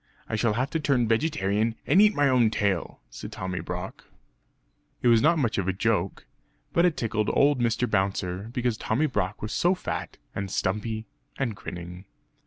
I shall have to turn vegetarian and eat my own tail!" said Tommy Brock. It was not much of a joke, but it tickled old Mr. Bouncer; because Tommy Brock was so fat and stumpy and grinning.